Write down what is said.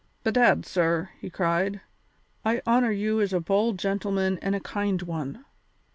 "Bedad, sir," he cried, "I honour you as a bold gentleman and a kind one.